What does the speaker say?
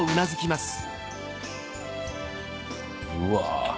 うわ！